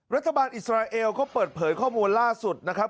รัฐบาลอิสราเอลก็เปิดเผยข้อมูลล่าสุดนะครับ